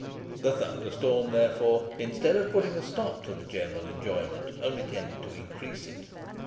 The thunder storm, therefore, instead of putting a stop to the general enjoyment, only tended to increase it.